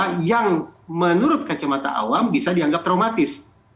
karena yang menurut kacamata awam bisa dianggap traumatis